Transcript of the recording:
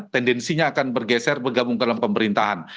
tendensinya akan bergeser bergabung dalam pemerintahan